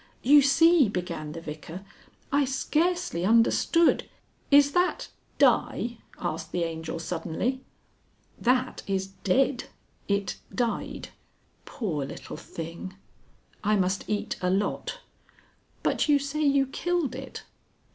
"You see," began the Vicar, "I scarcely understood " "Is that 'die'?" asked the Angel suddenly. "That is dead; it died." "Poor little thing. I must eat a lot. But you say you killed it.